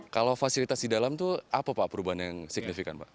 kalau fasilitas di dalam itu apa pak perubahan yang signifikan pak